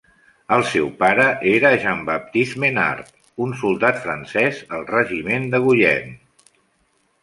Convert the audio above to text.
El seu pare era Jean Baptiste Menard, un soldat francès al regiment de Guyenne.